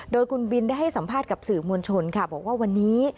โดยคุณบินได้ให้สัมภาษณ์กับสื่อมวลชนค่ะบอกว่าวันนี้